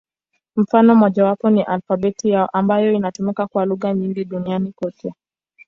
Mfano mmojawapo ni alfabeti yao, ambayo inatumika kwa lugha nyingi duniani kote.